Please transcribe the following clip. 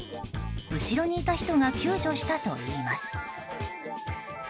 後ろにいた人が救助したといいます。